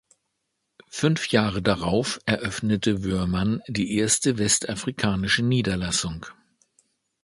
Fünf Jahre darauf eröffnete Woermann die erste westafrikanische Niederlassung.